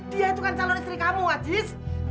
dia itu kan calon istri kamu wajib